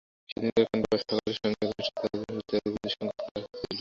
সেদিনকার কাণ্ডের পর সকলের সঙ্গে ঘনিষ্ঠতা করিতে আজ বিন্দুর সঙ্কোচ হওয়া উচিত ছিল।